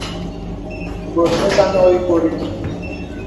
Bòt bəsà à nók īkori kiŋ.